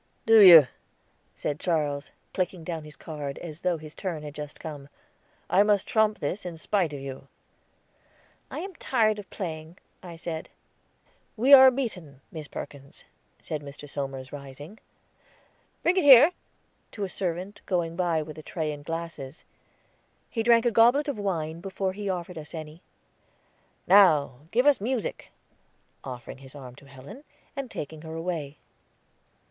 "Do you?" said Charles, clicking down his card, as though his turn had just come. "I must trump this in spite of you." "I am tired of playing," I said. "We are beaten, Miss Perkins," said Mr. Somers, rising. "Bring it here," to a servant going by with a tray and glasses. He drank a goblet of wine, before he offered us any. "Now give us music!" offering his arm to Helen, and taking her away.